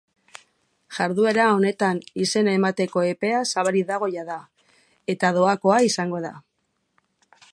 Jarduera horretan izena emateko epea zabalik dago jada, eta doakoa izango da.